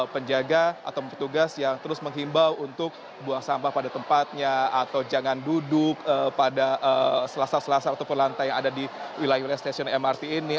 penjaga atau petugas yang terus menghimbau untuk buang sampah pada tempatnya atau jangan duduk pada selasa selasa ataupun lantai yang ada di wilayah wilayah stasiun mrt ini